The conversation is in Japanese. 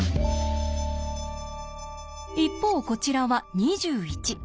一方こちらは２１。